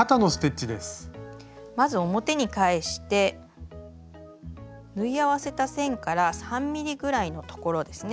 まず表に返して縫い合わせた線から３ｍｍぐらいのところですね